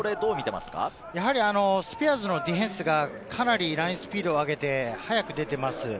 スピアーズのディフェンスがかなりラインスピードを上げて、早く出ています。